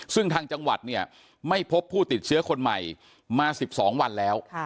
ซึ่งทางจังหวัดเนี่ยไม่พบผู้ติดเชื้อคนใหม่มา๑๒วันแล้ว